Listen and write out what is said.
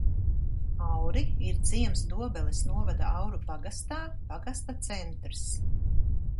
Auri ir ciems Dobeles novada Auru pagastā, pagasta centrs.